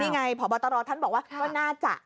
นี่ไงพบตรท่านบอกว่าก็น่าจะ